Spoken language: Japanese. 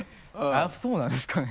やっぱそうなんですかね？